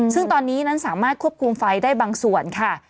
ซึ่งตอนนี้นั้นสามารถควบคุมไฟได้บางส่วนค่ะ